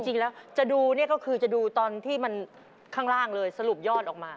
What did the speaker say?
จริงแล้วจะดูเนี่ยก็คือจะดูตอนที่มันข้างล่างเลยสรุปยอดออกมา